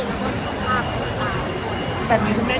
ช่องความหล่อของพี่ต้องการอันนี้นะครับ